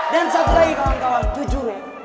dan satu lagi kawan kawan jujur ya